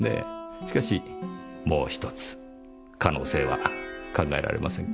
しかしもう１つ可能性は考えられませんか？